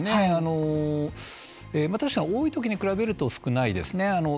確かに多い時に比べると少ないですね。